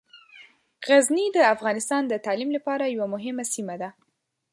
غزني د افغانستان د تعلیم لپاره یوه مهمه سیمه ده.